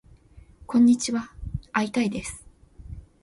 こんにちはーー会いたいです